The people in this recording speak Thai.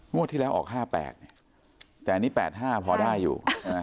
มูลที่แล้วออกห้าแปดแต่อันนี้แปดห้าพอได้อยู่